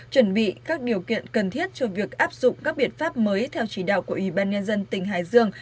chuẩn bị các điều kiện cần thiết cho việc áp dụng các biện pháp mới theo chỉ đạo của ủy ban nhân dân tỉnh hải dương